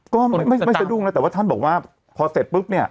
ก็ไม่สะดุ้งแล้วแต่ว่าท่านบอกว่าพอเสร็จปุ๊บเนี่ย